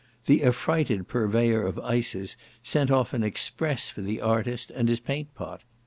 The affrighted purveyor of ices sent off an express for the artist and his paint pot.